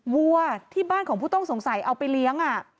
วัวที่บ้านของผู้ต้องสงสัยเอาไปเลี้ยง